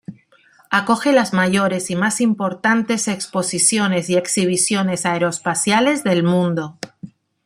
Acoge las mayores y más importantes exposiciones y exhibiciones aeroespaciales del mundo.